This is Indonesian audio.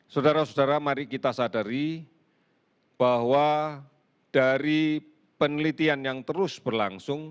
saudara saudara mari kita sadari bahwa dari penelitian yang terus berlangsung